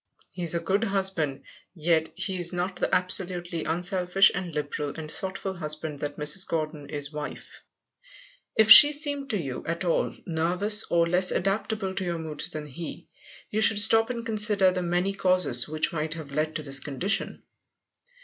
He is a good husband, yet he is not the absolutely unselfish and liberal and thoughtful husband that Mrs. Gordon is wife. If she seemed to you at all nervous, or less adaptable to your moods than he, you should stop and consider the many causes which might have led to this condition.